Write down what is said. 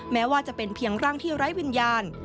แม้ว่าจะเป็นเพียงร่างที่ไร้วิญญาณ